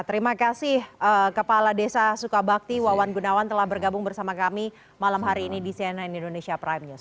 terima kasih kepala desa sukabakti wawan gunawan telah bergabung bersama kami malam hari ini di cnn indonesia prime news